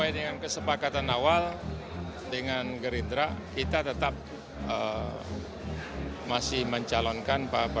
sesuai dengan kesepakatan awal dengan gerindra kita tetap masih mencalonkan pak prabowo